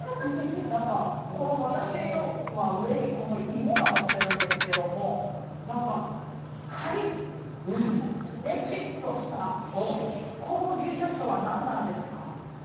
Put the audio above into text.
何かこの私のは上に芋が載ってるんですけども何かかりっねちっとしたこの技術は何なんですか？